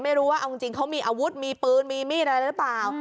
ไม่รู้ว่าเอาจริงเขามีอาวุธมีปืนมีมีดอะไรหรือเปล่า